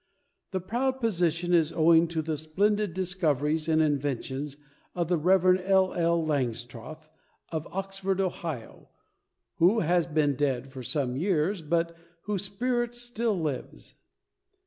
This proud position is owing to the splendid discoveries and inventions of the Rev. L. L. Langstroth of Oxford, Ohio, who has been dead for some years, but whose spirit still lives.